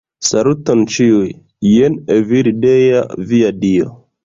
Saluton, ĉiuj! Jen Evildea, via dio.